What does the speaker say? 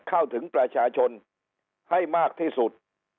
เข้าถึงประชาชนให้มากที่สุด